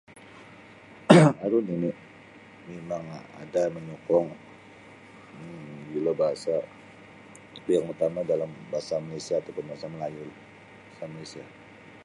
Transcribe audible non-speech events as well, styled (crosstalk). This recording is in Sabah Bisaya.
(coughs) Aru nini mimang ada manyukung magilo bahasa yang utama dalam bahasa Malaysia ataupun bahasa Melayu Bahasa Malaysia.